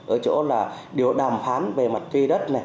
ở chỗ là điều đàm phán về mặt thuê đất